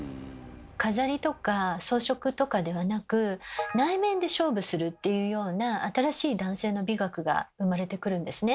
飾りとか装飾とかではなく内面で勝負するっていうような新しい男性の美学が生まれてくるんですね。